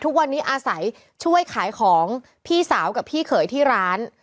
ทุกวันนี้อาศัยช่วยขายของพี่สาวกับพี่เขยที่ร้าน